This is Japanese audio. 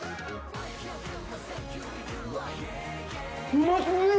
うま過ぎる！